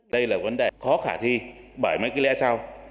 đây là vấn đề khó khả thi bởi mấy cái lẽ sau